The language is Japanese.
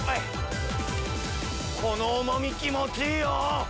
この重み気持ちいいよ！